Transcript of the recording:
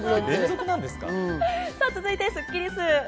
続いてスッキりす。